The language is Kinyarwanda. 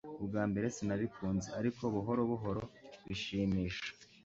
ubwa mbere, sinabikunze, ariko buhoro buhoro bishimisha